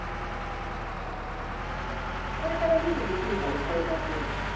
これから上にできれば行きたい感じだよね？